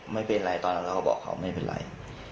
ไม่เป็นไรตอนนั้นเขาก็บอกเขาไม่เป็นไร